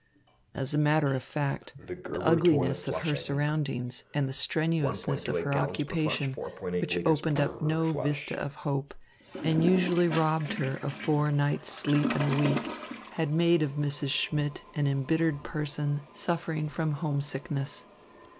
As a matter of fact, the ugliness of her surroundings and the strenuousness of her occupation, which opened up no vista of hope and usually robbed her of four nights' sleep in a week, had made of Mrs. Schmidt an embittered person suffering from homesickness.